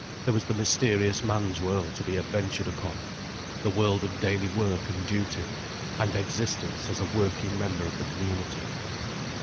There was the mysterious man's world to be adventured upon, the world of daily work and duty, and existence as a working member of the community.